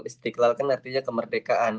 istiqlal kan artinya kemerdekaan